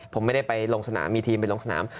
ผมไม่ได้ไปลงสนามมีทีมไปลงสนาม